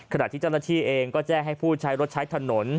ขณะที่เจ้าหน้าที่เองก็แจ้งให้ผู้ใช้รถใช้ถนน